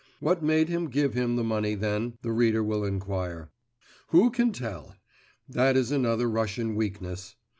What made him give him the money then, the reader will inquire. Who can tell! That is another Russian weakness.